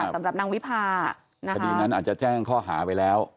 สำหรับนางวิพาคดีนั้นอาจจะแจ้งข้อหาไปแล้ว